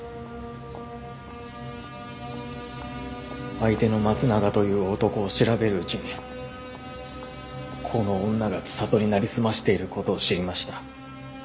相手の松永という男を調べるうちにこの女が知里になりすましている事を知りました。